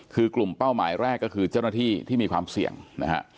คือกลุ่มเป้าหมายแรกก็คือเจ้าหน้าที่ที่มีความเสี่ยงนะฮะ